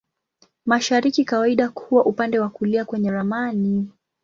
Mashariki kawaida huwa upande wa kulia kwenye ramani.